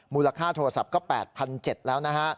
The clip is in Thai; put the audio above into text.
มูลค่าโทรศัพท์ก็๘๗๐๐แล้วนะฮะ